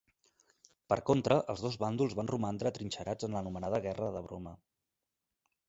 Per contra, els dos bàndols van romandre atrinxerats en l'anomenada Guerra de Broma.